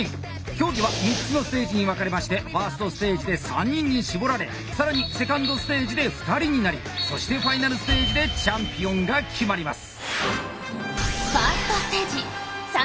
競技は３つのステージに分かれまして１ｓｔステージで３人に絞られ更に２ｎｄステージで２人になりそしてＦｉｎａｌステージでチャンピオンが決まります。